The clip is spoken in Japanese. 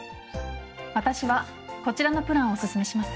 私はこちらのプランをおすすめします。